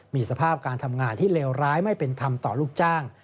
มีสภาพการทำงานที่เลวร้ายไม่เป็นธรรมต่อลูกจ้าง